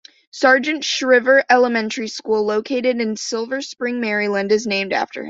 Sargent Shriver Elementary School, located in Silver Spring, Maryland, is named after him.